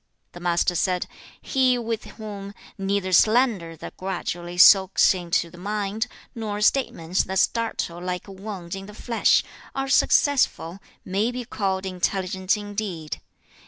The Master said, 'He with whom neither slander that gradually soaks into the mind, nor statements that startle like a wound in the flesh, are successful, may be called intelligent indeed.